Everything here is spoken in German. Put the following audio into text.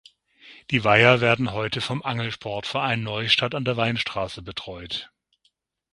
Die Weiher werden heute vom Angelsportverein Neustadt an der Weinstraße betreut.